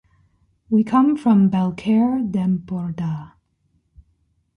We come from Bellcaire d’Empordà.